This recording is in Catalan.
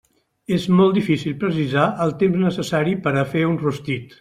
És molt difícil precisar el temps necessari per a fer un rostit.